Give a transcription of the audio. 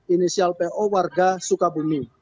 inisial po warga sukabumi